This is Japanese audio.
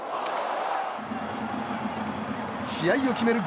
試合を決める